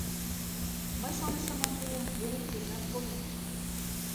Мый шонышым, ынде Ерентежат колен.